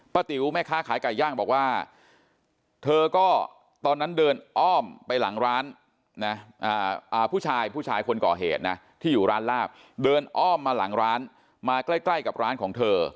ติ๋วแม่ค้าขายไก่ย่างบอกว่าเธอก็ตอนนั้นเดินอ้อมไปหลังร้านนะผู้ชายผู้ชายคนก่อเหตุนะที่อยู่ร้านลาบเดินอ้อมมาหลังร้านมาใกล้กับร้านของเธอ